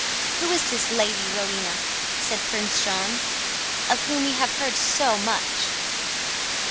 "Who is this Lady Rowena," said Prince John, "of whom we have heard so much?"